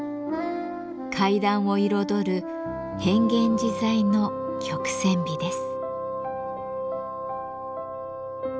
階段を彩る変幻自在の曲線美です。